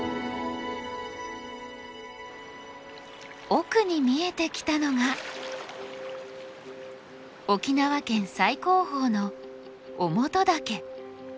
奥に見えてきたのが沖縄県最高峰の於茂登岳。